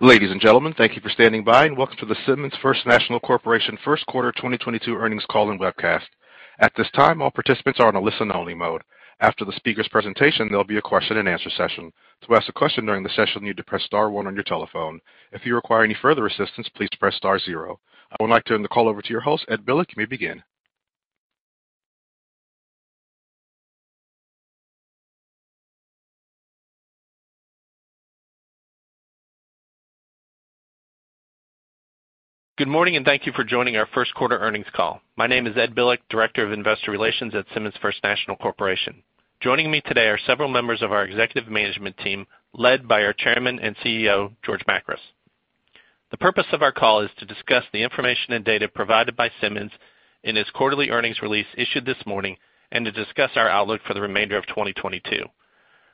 Ladies and gentlemen, thank you for standing by, and welcome to the Simmons First National Corporation First Quarter 2022 Earnings Call and Webcast. At this time, all participants are on a listen only mode. After the speaker's presentation, there'll be a question and answer session. To ask a question during the session, you need to press star one on your telephone. If you require any further assistance, please press star zero. I would like to hand the call over to your host, Ed Bilek. You may begin. Good morning, and thank you for joining our first quarter earnings call. My name is Ed Bilek, Director of Investor Relations at Simmons First National Corporation. Joining me today are several members of our executive management team, led by our Chairman and CEO, George Makris. The purpose of our call is to discuss the information and data provided by Simmons in its quarterly earnings release issued this morning and to discuss our outlook for the remainder of 2022.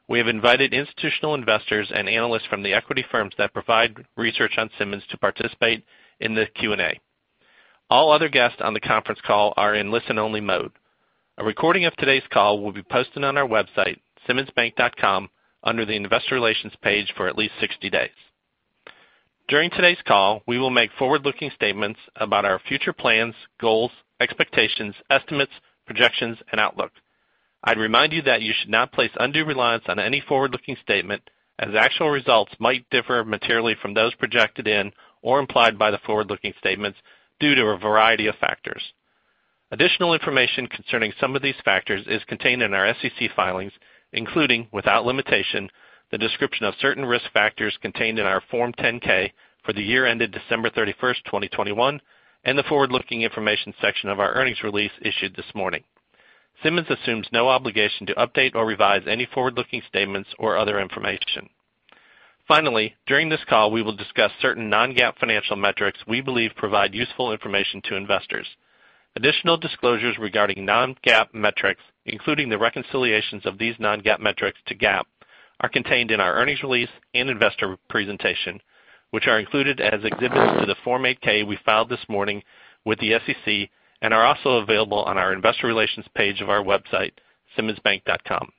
We have invited institutional investors and analysts from the equity firms that provide research on Simmons to participate in the Q&A. All other guests on the conference call are in listen only mode. A recording of today's call will be posted on our website, simmonsbank.com, under the Investor Relations page for at least 60 days. During today's call, we will make forward-looking statements about our future plans, goals, expectations, estimates, projections and outlook. I'd remind you that you should not place undue reliance on any forward-looking statement, as actual results might differ materially from those projected in or implied by the forward-looking statements due to a variety of factors. Additional information concerning some of these factors is contained in our SEC filings, including, without limitation, the description of certain risk factors contained in our Form 10-K for the year ended December 31, 2021, and the forward-looking information section of our earnings release issued this morning. Simmons assumes no obligation to update or revise any forward-looking statements or other information. Finally, during this call, we will discuss certain non-GAAP financial metrics we believe provide useful information to investors. Additional disclosures regarding non-GAAP metrics, including the reconciliations of these non-GAAP metrics to GAAP, are contained in our earnings release and investor presentation, which are included as exhibits to the Form 8-K we filed this morning with the SEC and are also available on our Investor Relations page of our website, simmonsbank.com.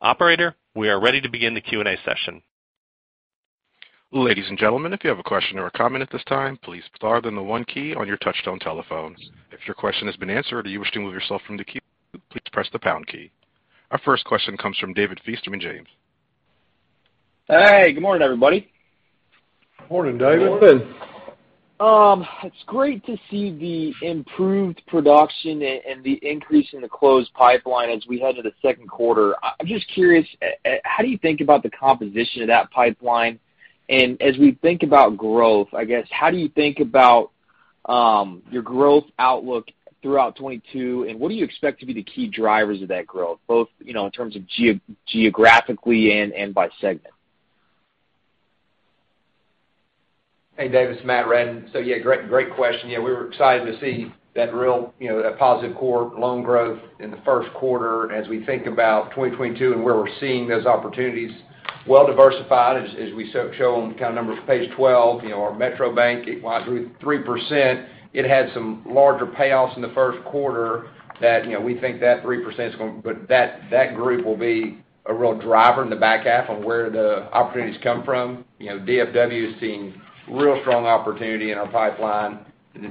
Operator, we are ready to begin the Q&A session. Ladies and gentlemen, if you have a question or a comment at this time, please star, then the one key on your touch-tone telephones. If your question has been answered or you wish to remove yourself from the queue, please press the pound key. Our first question comes from David Feaster from Raymond James. Hey, good morning, everybody. Morning, David. It's great to see the improved production and the increase in the closed pipeline as we head to the second quarter. I'm just curious how do you think about the composition of that pipeline? As we think about growth, I guess, how do you think about your growth outlook throughout 2022? What do you expect to be the key drivers of that growth, both you know in terms of geographically and by segment? Hey, David, it's Matt Reddin. Yeah, great question. Yeah, we were excited to see that real, you know, that positive core loan growth in the first quarter as we think about 2022 and where we're seeing those opportunities well diversified as we show on account numbers page 12, you know, our Metro Bank, it went 3%. It had some larger payoffs in the first quarter that, you know, we think that 3% but that group will be a real driver in the back half on where the opportunities come from. You know, DFW has seen real strong opportunity in our pipeline,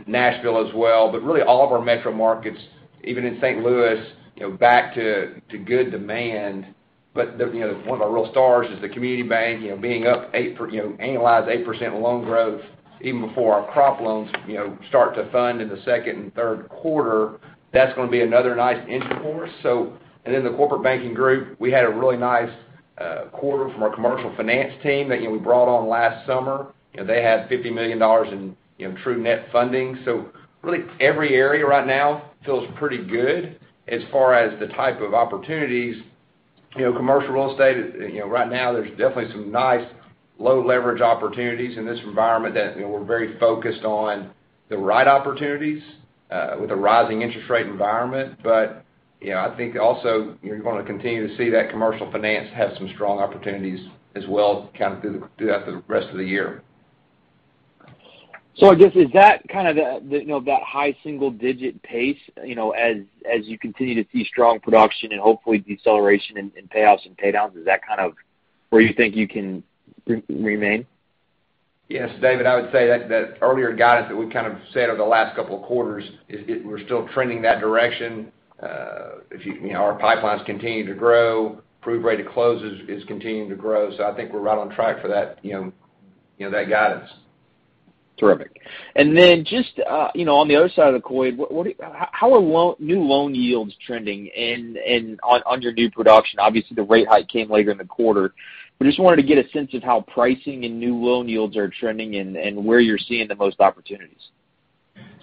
Nashville as well. Really all of our metro markets, even in St. Louis, you know, back to good demand. The, you know, one of our real stars is the community bank, you know, being up eight, you know, annualized 8% loan growth even before our crop loans, you know, start to fund in the second and third quarter. That's going to be another nice engine for us. And then the corporate banking group, we had a really nice quarter from our commercial finance team that, you know, we brought on last summer. You know, they had $50 million in, you know, true net funding. Really every area right now feels pretty good as far as the type of opportunities. You know, commercial real estate, you know, right now there's definitely some nice low leverage opportunities in this environment that, you know, we're very focused on the right opportunities with a rising interest rate environment. you know, I think also you're going to continue to see that commercial finance has some strong opportunities as well kind of throughout the rest of the year. I guess is that kind of the you know that high single digit pace you know as you continue to see strong production and hopefully deceleration in payoffs and pay downs is that kind of where you think you can remain? Yes, David, I would say that earlier guidance that we kind of said over the last couple of quarters is we're still trending that direction. You know, our pipelines continue to grow, approval rate of closes is continuing to grow. I think we're right on track for that, you know, that guidance. Terrific. Just, you know, on the other side of the coin, what, how are new loan yields trending and on your new production? Obviously, the rate hike came later in the quarter. We just wanted to get a sense of how pricing and new loan yields are trending and where you're seeing the most opportunities.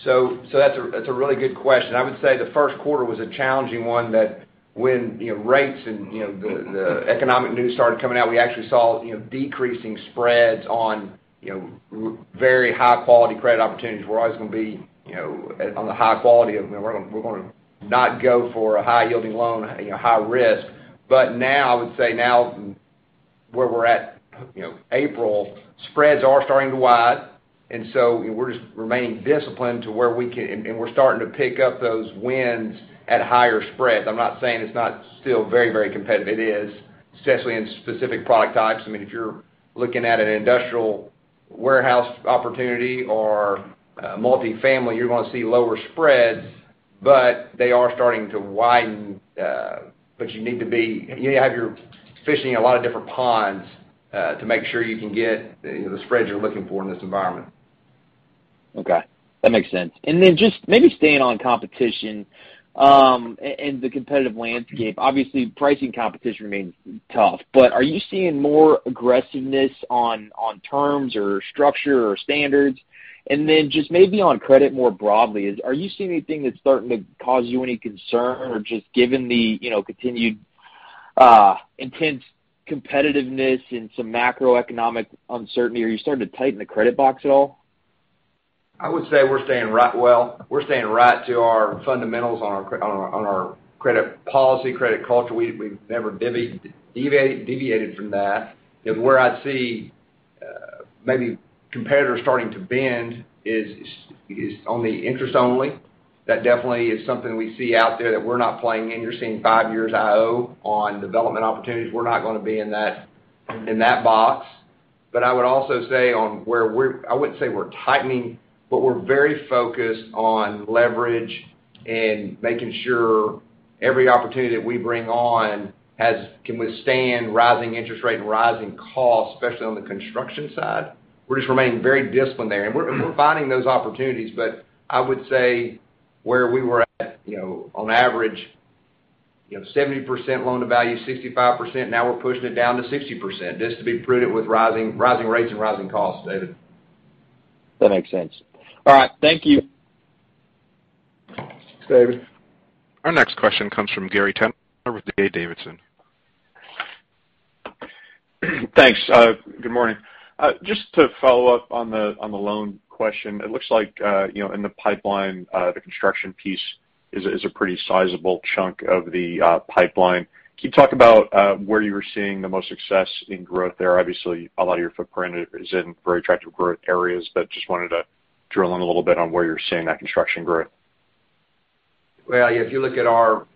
That's a really good question. I would say the first quarter was a challenging one that when, you know, rates and, you know, the economic news started coming out, we actually saw, you know, decreasing spreads on, you know, very high quality credit opportunities. We're always going to be, you know, on the high quality of, you know, we're going to not go for a high yielding loan, you know, high risk. But now, I would say now where we're at, you know, April, spreads are starting to widen. We're just remaining disciplined to where we can and we're starting to pick up those wins at higher spreads. I'm not saying it's not still very, very competitive. It is, especially in specific product types. I mean, if you're looking at an industrial warehouse opportunity or multifamily, you're gonna see lower spreads, but they are starting to widen. You need to be fishing a lot of different ponds to make sure you can get, you know, the spreads you're looking for in this environment. Okay, that makes sense. Just maybe staying on competition, and the competitive landscape, obviously, pricing competition remains tough, but are you seeing more aggressiveness on terms or structure or standards? Just maybe on credit more broadly, are you seeing anything that's starting to cause you any concern or just given the, you know, continued intense competitiveness and some macroeconomic uncertainty, are you starting to tighten the credit box at all? I would say we're staying right well. We're staying right to our fundamentals on our credit policy, credit culture. We've never deviated from that. Where I'd see maybe competitors starting to bend is on the interest only. That definitely is something we see out there that we're not playing in. You're seeing five years IO on development opportunities. We're not gonna be in that box. But I would also say I wouldn't say we're tightening, but we're very focused on leverage and making sure every opportunity that we bring on can withstand rising interest rates and rising costs, especially on the construction side. We're just remaining very disciplined there, and we're finding those opportunities. I would say where we were at, you know, on average, you know, 70% loan to value, 65%, now we're pushing it down to 60% just to be prudent with rising rates and rising costs, David. That makes sense. All right. Thank you. Thanks, David. Our next question comes from Gary Tenner with D.A. Davidson. Thanks. Good morning. Just to follow up on the loan question, it looks like, you know, in the pipeline, the construction piece is a pretty sizable chunk of the pipeline. Can you talk about where you're seeing the most success in growth there? Obviously, a lot of your footprint is in very attractive growth areas, but just wanted to drill in a little bit on where you're seeing that construction growth. Well, if you look at our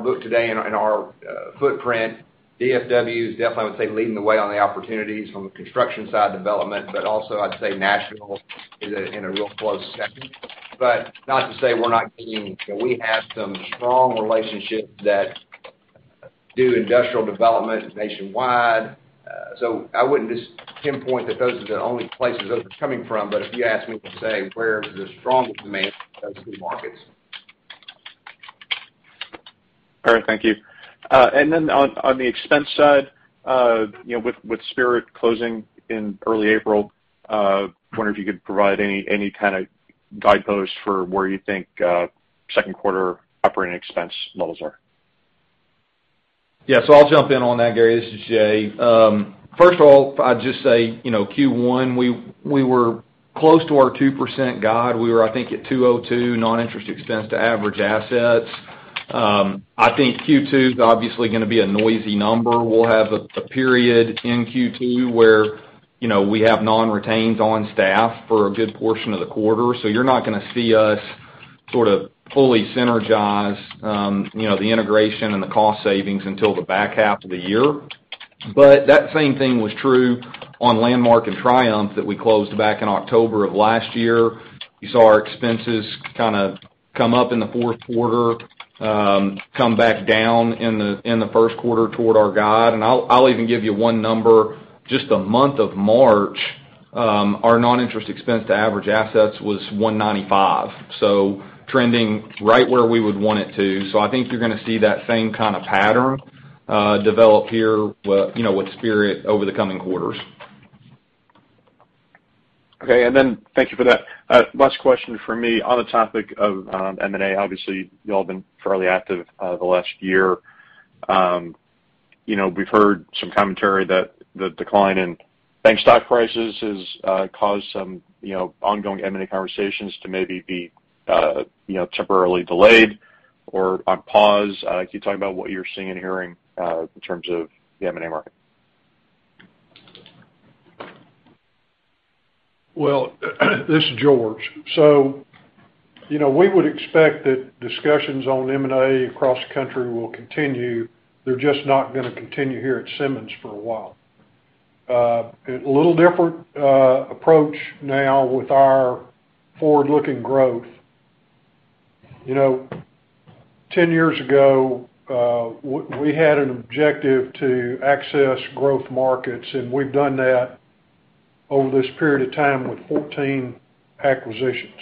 book today and our footprint, DFW is definitely, I would say, leading the way on the opportunities from the construction side development, but also I'd say Nashville is in a real close second. Not to say we're not gaining. We have some strong relationships that do industrial development nationwide. I wouldn't just pinpoint that those are the only places those are coming from. If you ask me to say where is the strongest demand, those two markets. All right, thank you. On the expense side, you know, with Spirit closing in early April, wondering if you could provide any kind of guideposts for where you think second quarter operating expense levels are? Yes, I'll jump in on that, Gary. This is Jay. First of all, I'd just say, you know, Q1, we were close to our 2% guide. We were, I think, at 2.02% non-interest expense to average assets. I think Q2 is obviously gonna be a noisy number. We'll have a period in Q2 where, you know, we have non-retains on staff for a good portion of the quarter. You're not gonna see us sort of fully synergize, you know, the integration and the cost savings until the back half of the year. That same thing was true on Landmark and Triumph that we closed back in October of last year. You saw our expenses kind of come up in the fourth quarter, come back down in the first quarter toward our guide. I'll even give you one number. Just the month of March, our non-interest expense to average assets was 1.95%, so trending right where we would want it to. I think you're gonna see that same kind of pattern develop here, you know, with Spirit over the coming quarters. Okay. Thank you for that. Last question from me. On the topic of M&A, obviously, y'all have been fairly active the last year. You know, we've heard some commentary that the decline in bank stock prices has caused some, you know, ongoing M&A conversations to maybe be, you know, temporarily delayed or on pause. Can you talk about what you're seeing and hearing in terms of the M&A market? Well, this is George. You know, we would expect that discussions on M&A across the country will continue. They're just not gonna continue here at Simmons for a while. A little different approach now with our forward-looking growth. You know, 10 years ago, we had an objective to access growth markets, and we've done that over this period of time with 14 acquisitions.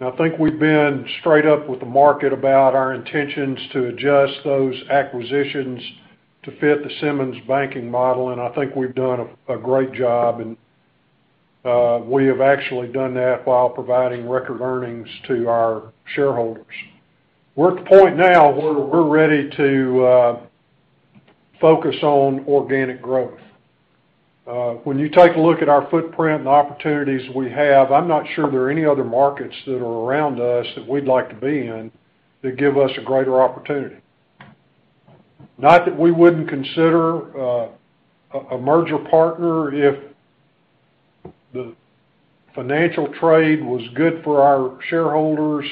I think we've been straight up with the market about our intentions to adjust those acquisitions to fit the Simmons banking model, and I think we've done a great job, and we have actually done that while providing record earnings to our shareholders. We're at the point now where we're ready to focus on organic growth. When you take a look at our footprint and the opportunities we have, I'm not sure there are any other markets that are around us that we'd like to be in that give us a greater opportunity. Not that we wouldn't consider a merger partner if the financial trade was good for our shareholders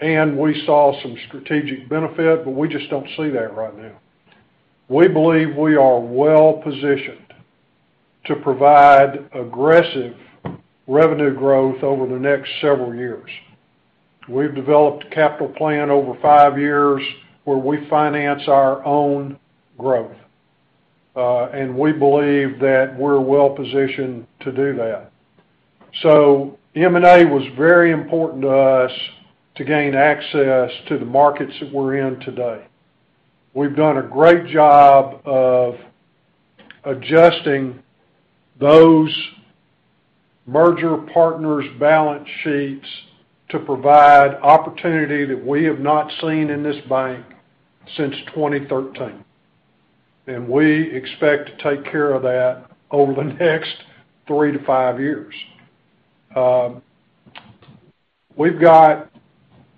and we saw some strategic benefit, but we just don't see that right now. We believe we are well-positioned to provide aggressive revenue growth over the next several years. We've developed a capital plan over five years where we finance our own growth. We believe that we're well-positioned to do that. M&A was very important to us to gain access to the markets that we're in today. We've done a great job of adjusting those merger partners' balance sheets to provide opportunity that we have not seen in this bank since 2013. We expect to take care of that over the next three to five years. We've got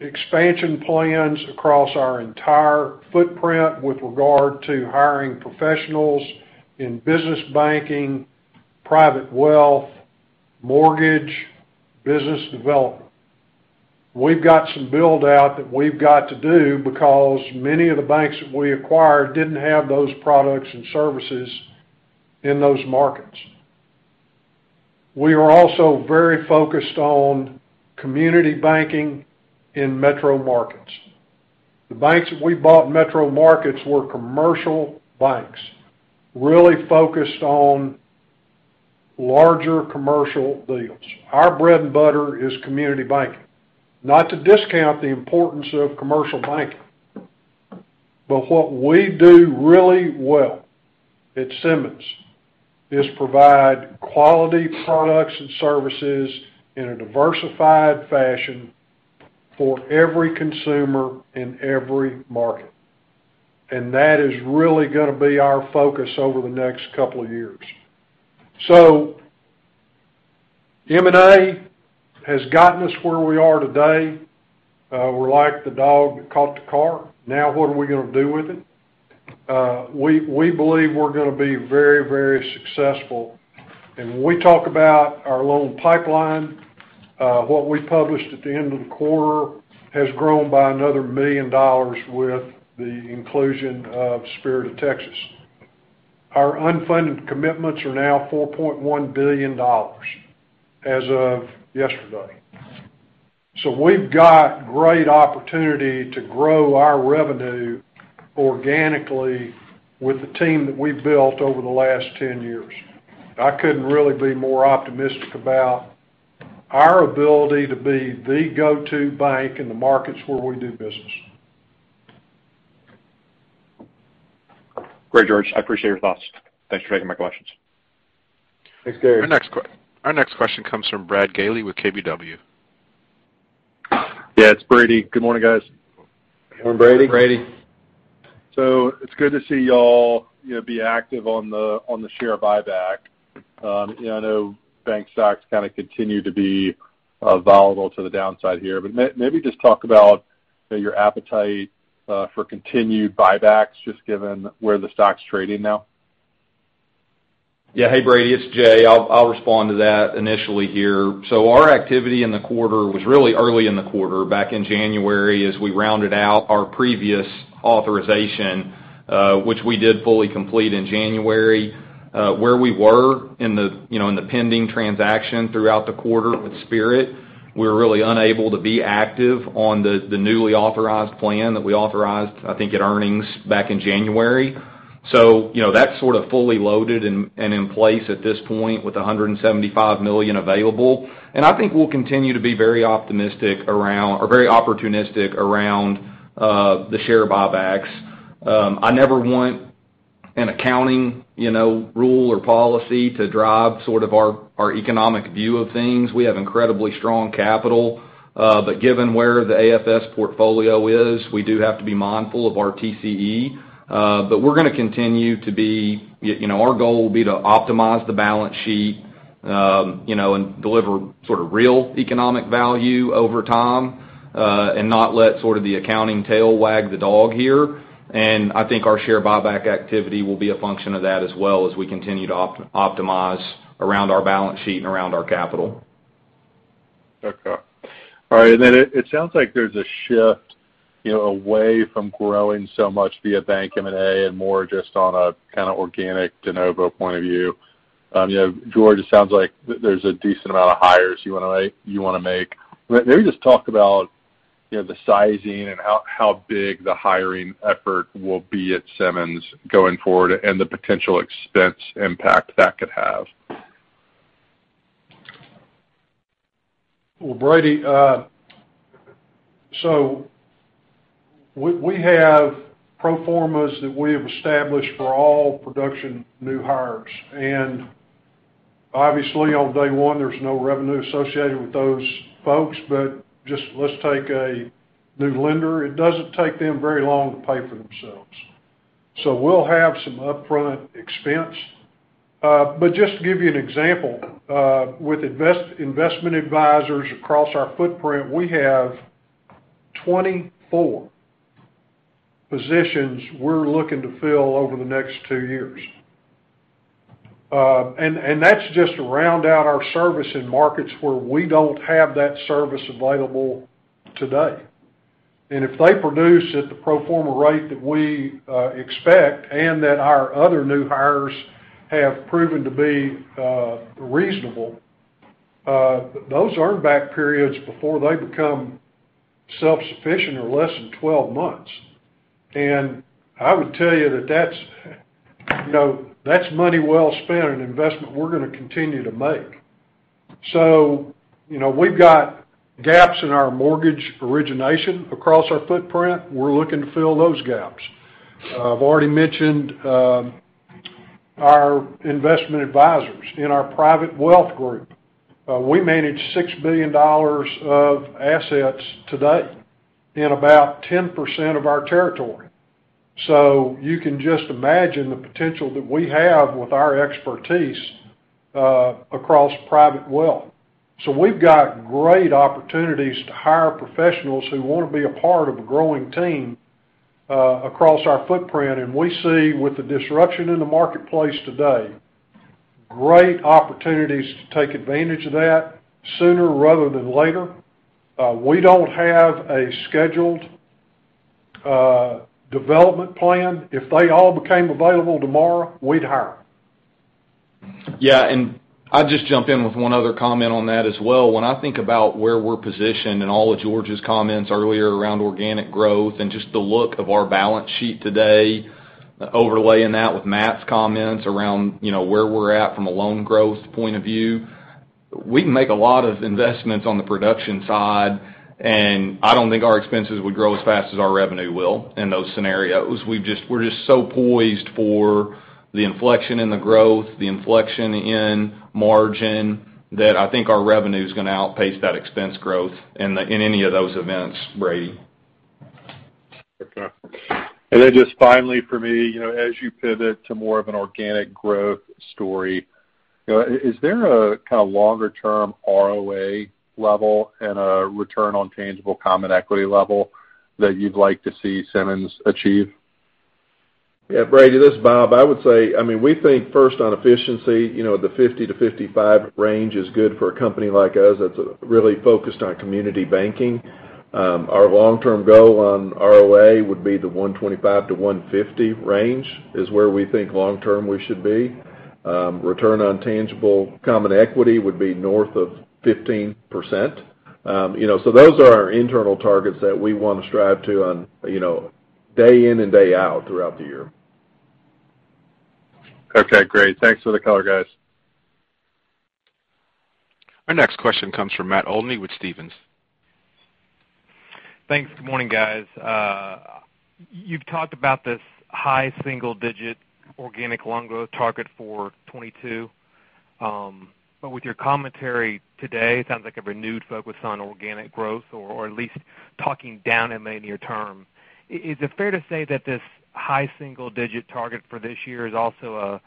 expansion plans across our entire footprint with regard to hiring professionals in business banking, private wealth, mortgage, business development. We've got some build-out that we've got to do because many of the banks that we acquired didn't have those products and services in those markets. We are also very focused on community banking in metro markets. The banks that we bought in metro markets were commercial banks, really focused on larger commercial deals. Our bread and butter is community banking. Not to discount the importance of commercial banking, but what we do really well at Simmons is provide quality products and services in a diversified fashion for every consumer in every market. That is really gonna be our focus over the next couple of years. M&A has gotten us where we are today. We're like the dog that caught the car. Now what are we gonna do with it? We believe we're gonna be very, very successful. When we talk about our loan pipeline, what we published at the end of the quarter has grown by another $1 million with the inclusion of Spirit of Texas. Our unfunded commitments are now $4.1 billion as of yesterday. We've got great opportunity to grow our revenue organically with the team that we've built over the last 10 years. I couldn't really be more optimistic about our ability to be the go-to bank in the markets where we do business. Great, George. I appreciate your thoughts. Thanks for taking my questions. Thanks, Gary. Our next question comes from Brady Gailey with KBW. Yeah, it's Brady. Good morning, guys. Good morning, Brady. Brady. It's good to see y'all, you know, be active on the share buyback. You know, I know bank stocks kind of continue to be volatile to the downside here. Maybe just talk about, you know, your appetite for continued buybacks, just given where the stock's trading now. Yeah. Hey, Brady, it's Jay. I'll respond to that initially here. Our activity in the quarter was really early in the quarter, back in January, as we rounded out our previous authorization, which we did fully complete in January. Where we were in the, you know, in the pending transaction throughout the quarter with Spirit, we were really unable to be active on the newly authorized plan that we authorized, I think, at earnings back in January. You know, that's sort of fully loaded and in place at this point with $175 million available. I think we'll continue to be very optimistic around or very opportunistic around the share buybacks. I never want an accounting, you know, rule or policy to drive sort of our economic view of things. We have incredibly strong capital. Given where the AFS portfolio is, we do have to be mindful of our TCE. We're gonna continue to be, you know, our goal will be to optimize the balance sheet, you know, and deliver sort of real economic value over time, and not let sort of the accounting tail wag the dog here. I think our share buyback activity will be a function of that as well as we continue to optimize around our balance sheet and around our capital. Okay. All right. It sounds like there's a shift, you know, away from growing so much via bank M&A and more just on a kind of organic de novo point of view. You know, George, it sounds like there's a decent amount of hires you wanna make. May you just talk about, you know, the sizing and how big the hiring effort will be at Simmons going forward and the potential expense impact that could have? Well, Brady, we have pro formas that we have established for all production new hires. Obviously on day one there's no revenue associated with those folks, but just let's take a new lender. It doesn't take them very long to pay for themselves. We'll have some upfront expense, but just to give you an example, with investment advisors across our footprint, we have 24 positions we're looking to fill over the next two years. That's just to round out our service in markets where we don't have that service available today. If they produce at the pro forma rate that we expect and that our other new hires have proven to be reasonable, those earn back periods before they become self-sufficient are less than 12 months. I would tell you that that's, you know, that's money well spent, an investment we're gonna continue to make. You know, we've got gaps in our mortgage origination across our footprint. We're looking to fill those gaps. I've already mentioned our investment advisors in our private wealth group. We manage $6 billion of assets today in about 10% of our territory. You can just imagine the potential that we have with our expertise across private wealth. We've got great opportunities to hire professionals who wanna be a part of a growing team across our footprint. We see with the disruption in the marketplace today, great opportunities to take advantage of that sooner rather than later. We don't have a scheduled development plan. If they all became available tomorrow, we'd hire. Yeah. I'll just jump in with one other comment on that as well. When I think about where we're positioned and all of George's comments earlier around organic growth and just the look of our balance sheet today, overlaying that with Matt's comments around, you know, where we're at from a loan growth point of view, we make a lot of investments on the production side, and I don't think our expenses would grow as fast as our revenue will in those scenarios. We're just so poised for the inflection in the growth, the inflection in margin, that I think our revenue is gonna outpace that expense growth in any of those events, Brady. Okay. Just finally for me, you know, as you pivot to more of an organic growth story, you know, is there a kind of longer term ROA level and a return on tangible common equity level that you'd like to see Simmons achieve? Yeah, Brady, this is Bob. I would say, I mean, we think first on efficiency, you know, the 50-55 range is good for a company like us that's really focused on community banking. Our long-term goal on ROA would be the 1.25-1.50 range is where we think long term we should be. Return on tangible common equity would be north of 15%. You know, so those are our internal targets that we wanna strive to on, you know, day in and day out throughout the year. Okay, great. Thanks for the color, guys. Our next question comes from Matt Olney with Stephens. Thanks. Good morning, guys. You've talked about this high single digit organic loan growth target for 2022. With your commentary today, it sounds like a renewed focus on organic growth or at least talking down in the near term. Is it fair to say that this high single digit target for this year is also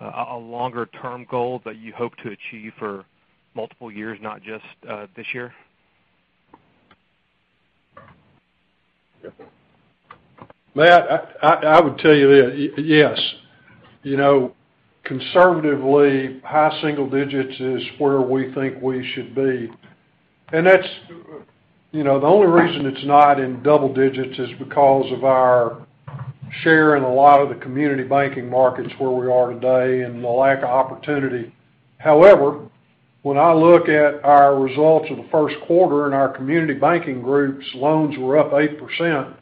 a longer term goal that you hope to achieve for multiple years, not just this year? Matt, I would tell you this, yes. You know, conservatively, high single digits is where we think we should be. That's, you know, the only reason it's not in double digits is because of our share in a lot of the community banking markets where we are today and the lack of opportunity. However, when I look at our results for the first quarter and our community banking groups, loans were up 8%.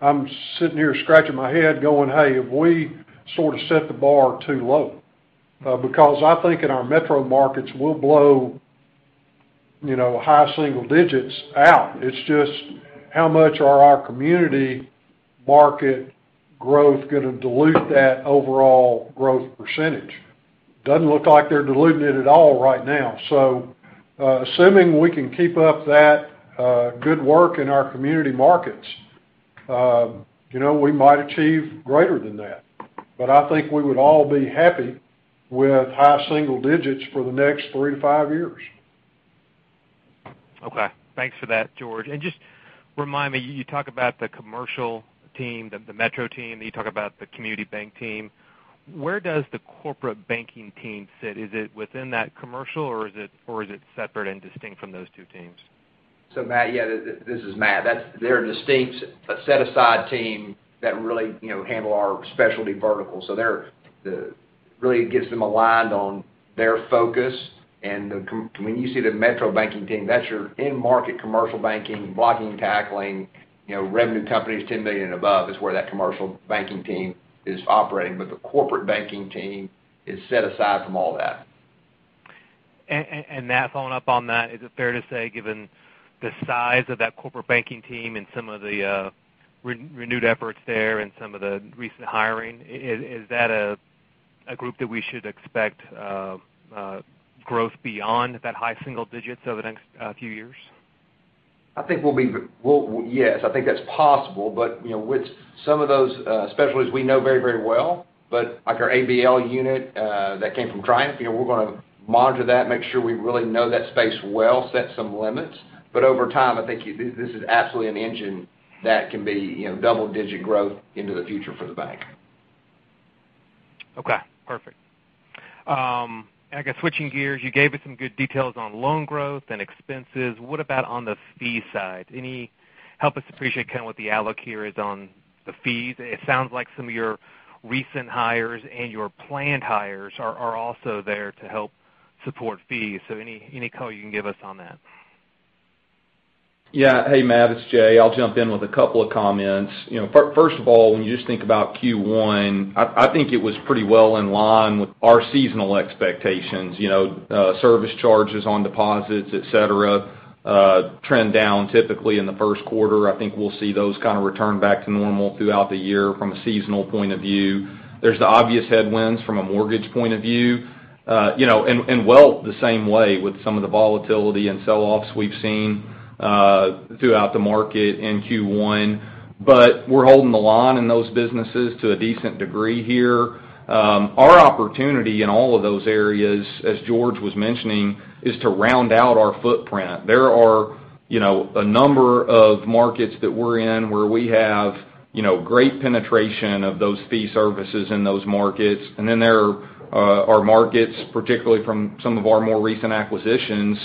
I'm sitting here scratching my head going, "Hey, have we sort of set the bar too low?" Because I think in our metro markets, we'll blow, you know, high single digits out. It's just how much are our community market growth gonna dilute that overall growth percentage. Doesn't look like they're diluting it at all right now. Assuming we can keep up that good work in our community markets, you know, we might achieve greater than that. I think we would all be happy with high single digits for the next three to five years. Okay. Thanks for that, George. Just remind me, you talk about the commercial team, the metro team, you talk about the community bank team. Where does the corporate banking team sit? Is it within that commercial or is it separate and distinct from those two teams? Matt, yeah, this is Matt. They're a distinct set aside team that really, you know, handle our specialty verticals. They're really gets them aligned on their focus. When you see the metro banking team, that's your in-market commercial banking, blocking and tackling, you know, revenue companies $10 million and above is where that commercial banking team is operating, but the corporate banking team is set aside from all that. Matt, following up on that, is it fair to say, given the size of that corporate banking team and some of the renewed efforts there and some of the recent hiring, is that a group that we should expect growth beyond that high single digits over the next few years? Yes, I think that's possible. You know, with some of those specialties we know very, very well, but like our ABL unit that came from Triumph, you know, we're gonna monitor that, make sure we really know that space well, set some limits. Over time, I think this is absolutely an engine that can be, you know, double-digit growth into the future for the bank. Okay, perfect. I guess switching gears, you gave us some good details on loan growth and expenses. What about on the fee side? Any way to help us appreciate kinda what the allocation here is on the fees. It sounds like some of your recent hires and your planned hires are also there to help support fees. Any color you can give us on that? Yeah. Hey, Matt, it's Jay. I'll jump in with a couple of comments. You know, first of all, when you just think about Q1, I think it was pretty well in line with our seasonal expectations, you know, service charges on deposits, et cetera, trend down typically in the first quarter. I think we'll see those kind of return back to normal throughout the year from a seasonal point of view. There's the obvious headwinds from a mortgage point of view, you know, and wealth, the same way with some of the volatility and selloffs we've seen throughout the market in Q1. But we're holding the line in those businesses to a decent degree here. Our opportunity in all of those areas, as George was mentioning, is to round out our footprint. There are, you know, a number of markets that we're in where we have, you know, great penetration of those fee services in those markets. There are markets, particularly from some of our more recent acquisitions,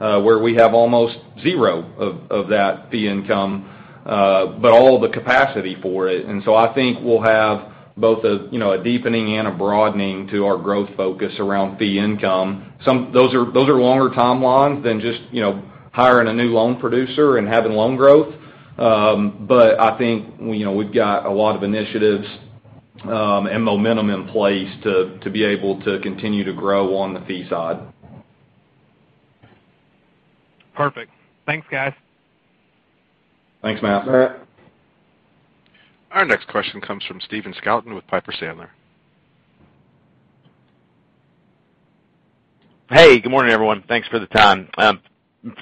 where we have almost zero of that fee income, but all the capacity for it. I think we'll have both a, you know, a deepening and a broadening to our growth focus around fee income. Those are longer timelines than just, you know, hiring a new loan producer and having loan growth. I think, you know, we've got a lot of initiatives and momentum in place to be able to continue to grow on the fee side. Perfect. Thanks, guys. Thanks, Matt. All right. Our next question comes from Stephen Scouten with Piper Sandler. Hey, good morning, everyone. Thanks for the time.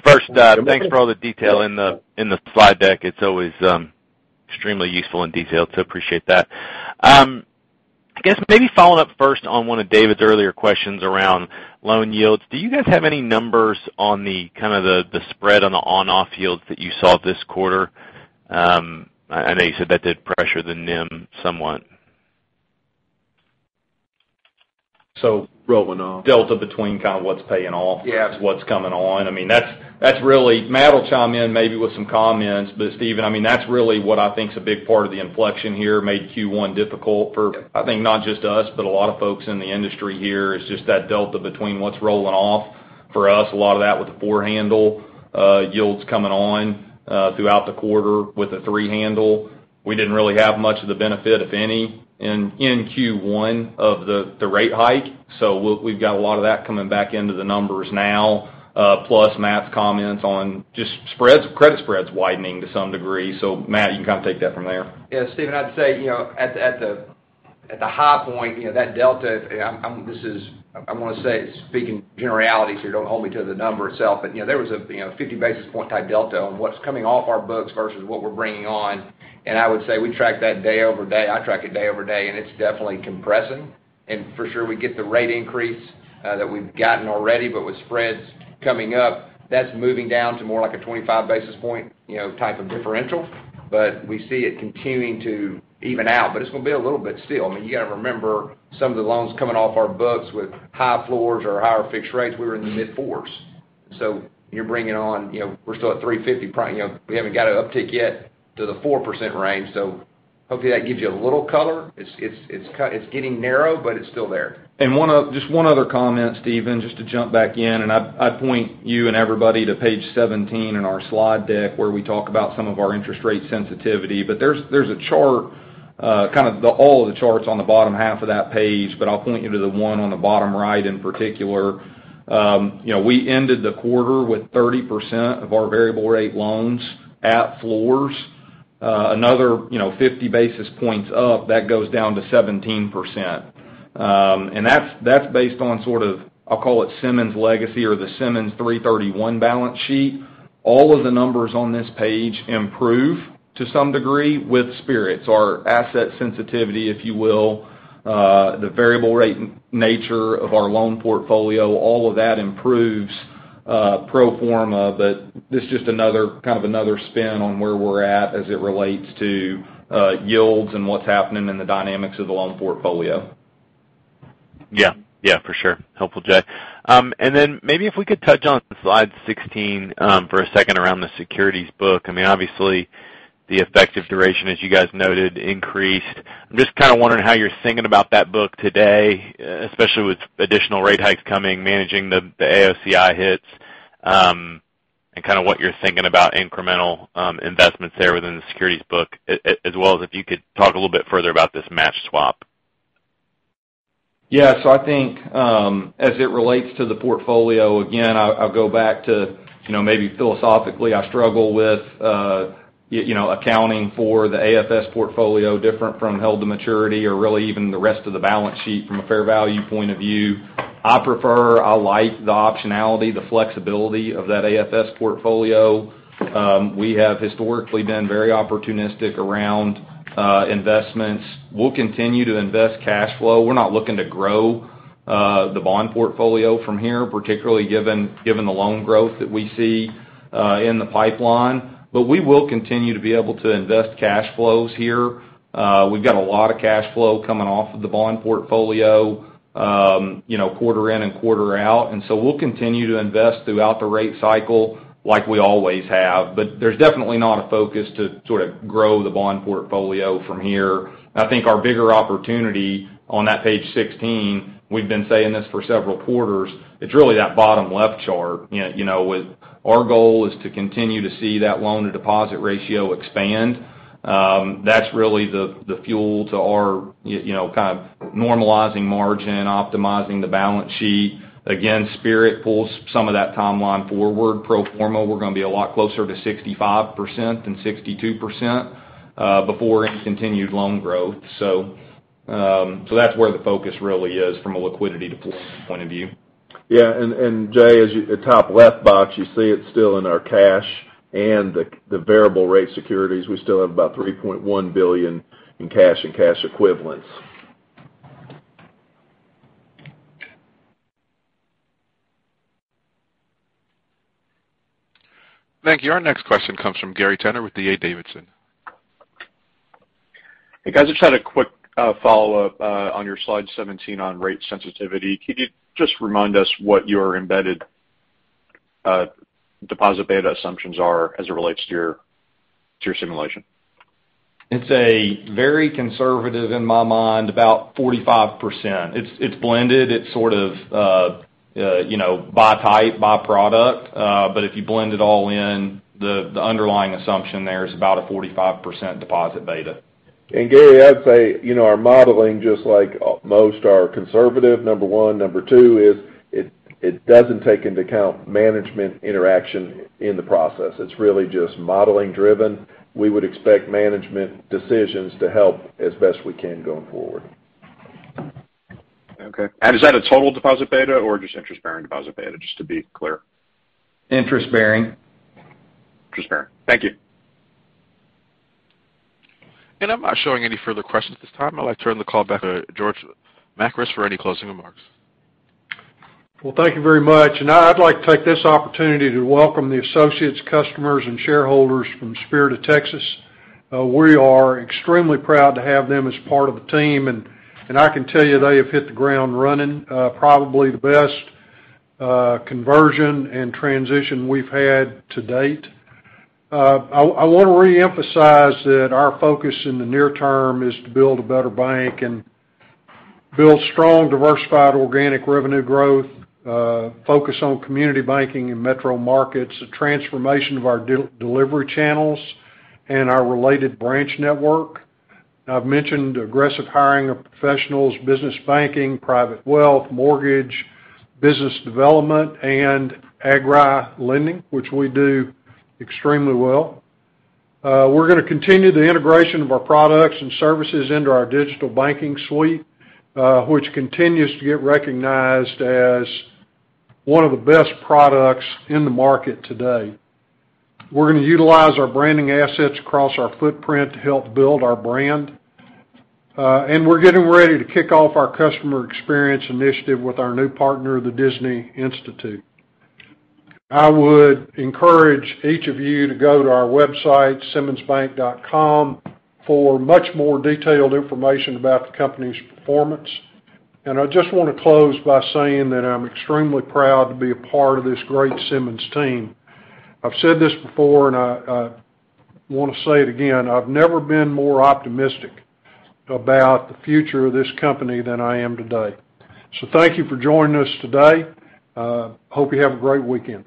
First, thanks for all the detail in the slide deck. It's always extremely useful and detailed, so appreciate that. I guess maybe following up first on one of David's earlier questions around loan yields. Do you guys have any numbers on the kind of spread on the on-off yields that you saw this quarter? I know you said that did pressure the NIM somewhat. So- Rolling off. Delta between kind of what's paying off. Yes. This is what's coming on. I mean, that's really Matt will chime in maybe with some comments. Stephen, I mean, that's really what I think is a big part of the inflection here, made Q1 difficult for, I mean, not just us, but a lot of folks in the industry here. It's just that delta between what's rolling off for us, a lot of that with the four handle, yields coming on, throughout the quarter with a three handle. We didn't really have much of the benefit, if any, in Q1 of the rate hike. We've got a lot of that coming back into the numbers now, plus Matt's comments on just spreads, credit spreads widening to some degree. Matt, you can kind of take that from there. Yeah, Stephen, I'd say, you know, at the high point, you know, that delta, I'm this is, I wanna say, speaking generalities here, don't hold me to the number itself. You know, there was a, you know, 50 basis point type delta on what's coming off our books versus what we're bringing on. I would say we track that day-over-day. I track it day-over-day, it's definitely compressing. For sure, we get the rate increase that we've gotten already, but with spreads coming up, that's moving down to more like a 25 basis point, you know, type of differential. We see it continuing to even out, but it's gonna be a little bit still. I mean, you gotta remember some of the loans coming off our books with high floors or higher fixed rates. We were in the mid-fours. You're bringing on, you know, we're still at 3.50, probably, you know, we haven't got an uptick yet to the 4% range. Hopefully that gives you a little color. It's getting narrow, but it's still there. Just one other comment, Stephen Scouten, just to jump back in, I'd point you and everybody to page 17 in our slide deck where we talk about some of our interest rate sensitivity. There's a chart, all of the charts on the bottom half of that page, but I'll point you to the one on the bottom right in particular. You know, we ended the quarter with 30% of our variable rate loans at floors. Another, you know, 50 basis points up, that goes down to 17%. That's based on sort of, I'll call it Simmons legacy or the Simmons 3-31 balance sheet. All of the numbers on this page improve to some degree with Spirit's. Our asset sensitivity, if you will, the variable rate nature of our loan portfolio, all of that improves, pro forma, but this is just another, kind of another spin on where we're at as it relates to, yields and what's happening in the dynamics of the loan portfolio. Yeah, yeah, for sure. Helpful, Jay. Maybe if we could touch on slide 16, for a second around the securities book. I mean, obviously the effective duration, as you guys noted, increased. I'm just kinda wondering how you're thinking about that book today, especially with additional rate hikes coming, managing the AOCI hits, and kinda what you're thinking about incremental investments there within the securities book as well as if you could talk a little bit further about this matched swap. Yeah. I think, as it relates to the portfolio, again, I'll go back to, you know, maybe philosophically, I struggle with. Yeah, you know, accounting for the AFS portfolio different from held to maturity or really even the rest of the balance sheet from a fair value point of view, I prefer, I like the optionality, the flexibility of that AFS portfolio. We have historically been very opportunistic around investments. We'll continue to invest cash flow. We're not looking to grow the bond portfolio from here, particularly given the loan growth that we see in the pipeline. We will continue to be able to invest cash flows here. We've got a lot of cash flow coming off of the bond portfolio, you know, quarter in and quarter out. We'll continue to invest throughout the rate cycle like we always have. There's definitely not a focus to sort of grow the bond portfolio from here. I think our bigger opportunity on that page 16, we've been saying this for several quarters, it's really that bottom left chart. You know, with our goal is to continue to see that loan-to-deposit ratio expand. That's really the fuel to our, you know, kind of normalizing margin, optimizing the balance sheet. Again, Spirit pulls some of that timeline forward. Pro forma, we're gonna be a lot closer to 65% than 62%, before any continued loan growth. That's where the focus really is from a liquidity deployment point of view. Yeah, and Jay, the top left box, you see it's still in our cash and the variable rate securities. We still have about $3.1 billion in cash and cash equivalents. Thank you. Our next question comes from Gary Tenner with D.A. Davidson. Hey, guys. I just had a quick follow-up on your slide 17 on rate sensitivity. Can you just remind us what your embedded deposit beta assumptions are as it relates to your simulation? It's very conservative in my mind, about 45%. It's blended. It's sort of, you know, by type, by product. If you blend it all in, the underlying assumption there is about a 45% deposit beta. Gary, I'd say, you know, our modeling, just like most, are conservative, number one. Number two is it doesn't take into account management interaction in the process. It's really just modeling-driven. We would expect management decisions to help as best we can going forward. Okay. Is that a total deposit beta or just interest-bearing deposit beta, just to be clear? Interest-bearing. Interest-bearing. Thank you. I'm not showing any further questions at this time. I'd like to turn the call back to George Makris for any closing remarks. Well, thank you very much. I'd like to take this opportunity to welcome the associates, customers, and shareholders from Spirit of Texas. We are extremely proud to have them as part of the team. I can tell you, they have hit the ground running, probably the best conversion and transition we've had to date. I wanna reemphasize that our focus in the near term is to build a better bank and build strong, diversified organic revenue growth, focus on community banking in metro markets, the transformation of our delivery channels and our related branch network. I've mentioned aggressive hiring of professionals, business banking, private wealth, mortgage, business development, and agri lending, which we do extremely well. We're gonna continue the integration of our products and services into our digital banking suite, which continues to get recognized as one of the best products in the market today. We're gonna utilize our branding assets across our footprint to help build our brand. We're getting ready to kick off our customer experience initiative with our new partner, the Disney Institute. I would encourage each of you to go to our website, simmonsbank.com, for much more detailed information about the company's performance. I just wanna close by saying that I'm extremely proud to be a part of this great Simmons team. I've said this before, and I wanna say it again. I've never been more optimistic about the future of this company than I am today. Thank you for joining us today. Hope you have a great weekend.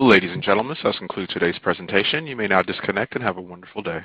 Ladies and gentlemen, this does conclude today's presentation. You may now disconnect and have a wonderful day.